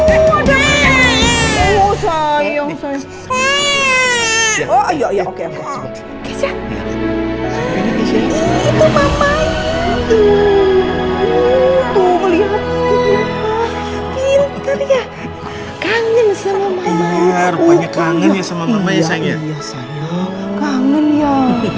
kangen sama mama rupanya kangen sama mama ya sayang ya kangen ya